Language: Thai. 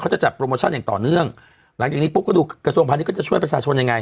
จะจัดโปรโมชั่นอย่างต่อเนื่องหลังจากนี้ปุ๊บก็ดูกระทรวงพาณิชก็จะช่วยประชาชนยังไง